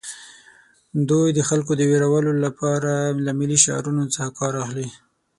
دوی د خلکو د ویرولو لپاره له ملي شعارونو څخه کار اخلي